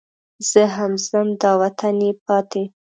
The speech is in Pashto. زه هم ځم دا وطن یې پاتې.